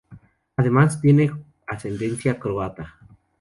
Además, tiene ascendencia croata.